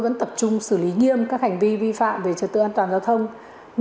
kiểm tra xử lý hơn chín trường hợp vi phạm nông độ cồn